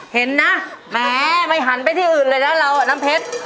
เห็นนะแหมไม่หันไปที่อื่นเลยนะเราอ่ะน้ำเพชร